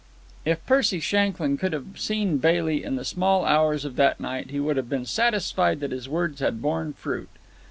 If Percy Shanklyn could have seen Bailey in the small hours of that night he would have been satisfied that his words had borne fruit.